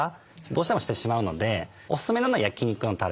どうしてもしてしまうのでおすすめなのは焼肉のたれ。